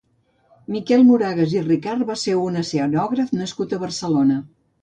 Miquel Moragas i Ricart va ser un escenògraf nascut a Barcelona.